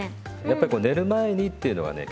やっぱりこう寝る前にっていうのはね